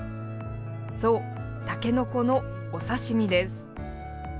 そう、たけのこのお刺身です。